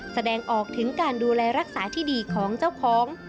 แสดงออกถึงการดูแลรักษาที่ดีของเจ้าของ